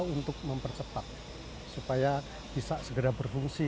untuk mempercepat supaya bisa segera berfungsi